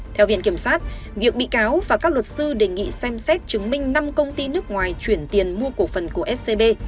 theo viện kiểm sát việc bị cáo và các luật sư đề nghị xem xét chứng minh năm công ty nước ngoài chuyển tiền mua cổ phần của scb